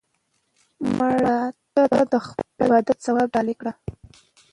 مړه ته د خپل عبادت ثواب ډالۍ کړه